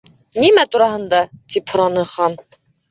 —Нимә тураһында? —тип һораны Хан.